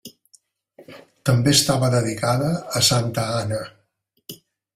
També estava dedicada a santa Anna.